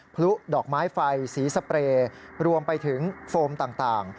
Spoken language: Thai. พลุดอกไม้ไฟสีสเปรย์รวมไปถึงโฟมต่าง